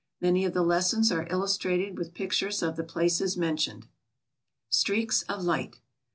Many of the lessons are illustrated with pictures of the places mentioned. Streaks of Light.